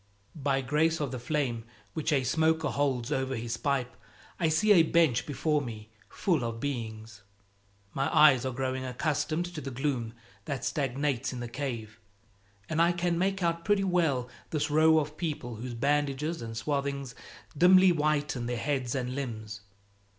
By grace of the flame which a smoker holds over his pipe I see a bench before me, full of beings. My eyes are growing accustomed to the gloom that stagnates in the cave, and I can make out pretty well this row of people whose bandages and swathings dimly whiten their heads and limbs.